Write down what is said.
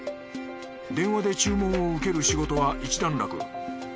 電話で注文を受ける仕事は一段落。